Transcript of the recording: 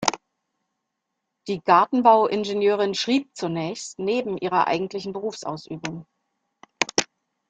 Die Gartenbau-Ingenieurin schrieb zunächst neben ihrer eigentlichen Berufsausübung.